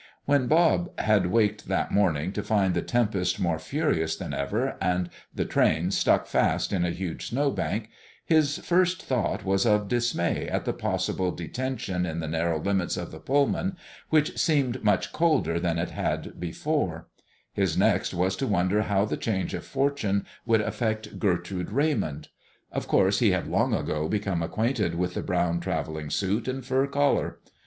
When Bob had waked that morning to find the tempest more furious than ever and the train stuck fast in a huge snow bank, his first thought was of dismay at the possible detention in the narrow limits of the Pullman, which seemed much colder than it had before; his next was to wonder how the change of fortune would affect Gertrude Raymond. Of course he had long ago become acquainted with the brown traveling suit and fur collar.